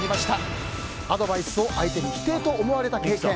アドバイスを相手に否定と思われた経験。